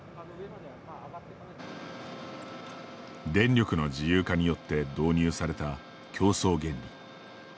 電力の自由化によって導入された競争原理。